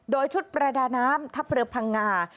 โดยชุดประดาน้ำทัพเรือพังงา